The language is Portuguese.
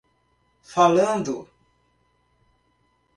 Falando!